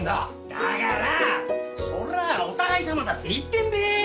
だからそれはお互いさまだって言ってんべえ！